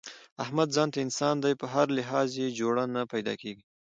احمد ځانته انسان دی، په هر لحاظ یې جوړه نه پیداکېږي.